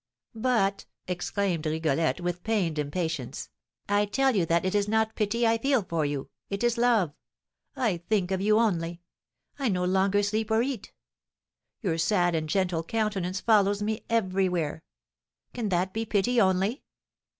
"But," exclaimed Rigolette, with pained impatience, "I tell you that it is not pity I feel for you, it is love! I think of you only; I no longer sleep or eat. Your sad and gentle countenance follows me everywhere. Can that be pity only?